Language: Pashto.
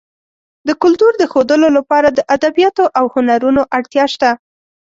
د کلتور د ښودلو لپاره د ادبیاتو او هنرونو اړتیا شته.